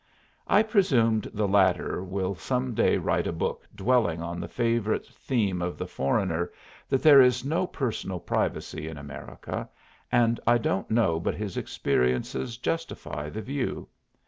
I presume the latter will some day write a book dwelling on the favorite theme of the foreigner, that there is no personal privacy in America, and I don't know but his experiences justify the view.